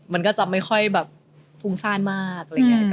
มันก็จะไม่ค่อยแบบฟุ้งซ่านมาก